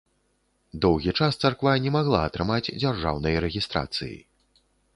Доўгі час царква не магла атрымаць дзяржаўнай рэгістрацыі.